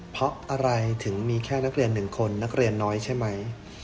เพราะอะไรถึงมีแค่นักเรียน๑คนนักเรียนน้อยใช่ไหม